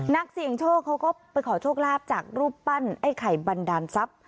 นักเสี่ยงโชคเขาก็ไปขอโชคลาภจากรูปปั้นไอ้ไข่บันดาลทรัพย์